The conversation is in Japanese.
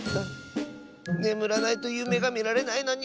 ねむらないとゆめがみられないのに！